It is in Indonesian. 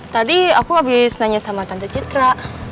tadi aku habis nanya sama tante citra